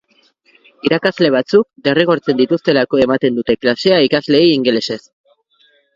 Irakasle batzuk derrigortzen dituztelako ematen dute klasea ikasleei ingelesez.